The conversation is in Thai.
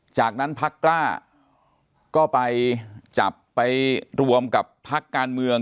จากนั้นพักกล้าก็ไปจับไปรวมกับพักการเมือง